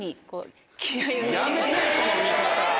やめてその見方。